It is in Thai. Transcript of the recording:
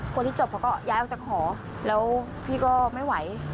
คนที่จบเขาก็ย้ายออกจากหอแล้วพี่ก็ไม่ไหว